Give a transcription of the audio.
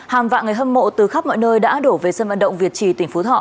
hàng vạn người hâm mộ từ khắp mọi nơi đã đổ về sân vận động việt trì tỉnh phú thọ